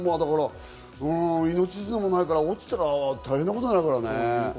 命綱もないから落ちたら大変なことになるからね。